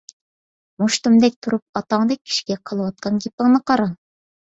— مۇشتۇمدەك تۇرۇپ، ئاتاڭدەك كىشىگە قىلىۋاتقان گېپىڭنى قارا.